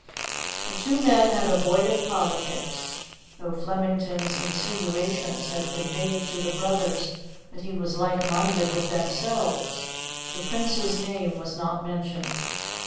The two men had avoided politics. Though Flemington's insinuations had conveyed to the brothers that he was like minded with themselves, the Prince's name was not mentioned.